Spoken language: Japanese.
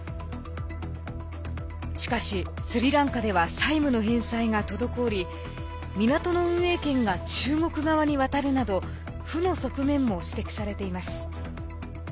しかし、スリランカでは債務の返済が滞り港の運営権が中国側に渡るなど負の側面も指摘されています。